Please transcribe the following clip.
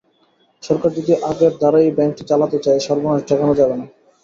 সরকার যদি আগের ধারায়ই ব্যাংকটি চালাতে চায় সর্বনাশ ঠেকানো যাবে না।